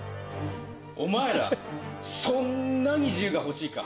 お前らそんなに自由が欲しいか？